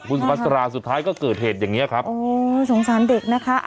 คุณสุพัตราสุดท้ายก็เกิดเหตุอย่างเงี้ครับโอ้สงสารเด็กนะคะ